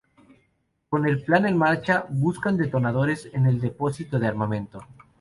Con el plan en marcha buscan detonadores en el depósito de armamento.